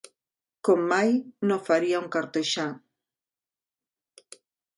Com mai no faria un cartoixà.